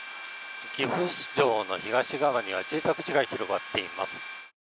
岐阜城の東側には住宅地が広がっています。